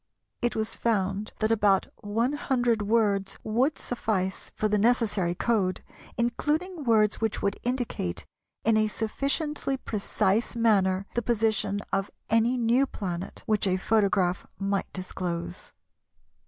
It was found that about one hundred words would suffice for the necessary code, including words which would indicate in a sufficiently precise manner the position of any new planet which a photograph might disclose.